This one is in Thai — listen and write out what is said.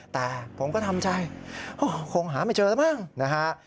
แต่ผมก็ทำใจคงหาไม่เจอแล้วมั้งนะฮะ